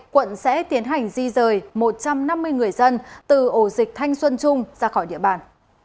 quận sẽ tiến hành di rời một trăm năm mươi người dân từ ổ dịch thanh xuân trung ra khỏi địa bàn